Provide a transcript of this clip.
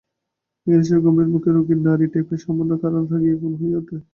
এখন সে গম্ভীরমুখে রোগীর নাড়ি টেপে, সামান্য কারণে রাগিয়া আগুন হইয়া ওঠে।